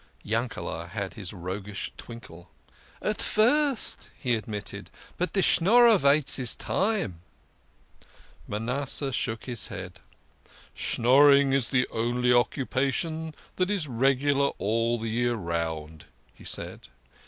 Yankele" had his roguish twinkle. " At first," he admitted, " but de Schnorrer vaits his time." Manasseh shook his head. " Schnorring is the only occu pation that is regular all the year round," he said.